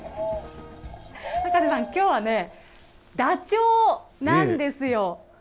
高瀬さん、きょうはね、ダチョウなんですよ。